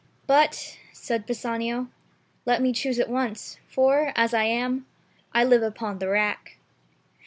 "But," said Bassanio, "let me choose at once, for, as I am, I live upon the rack."